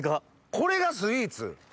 これがスイーツ？